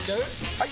・はい！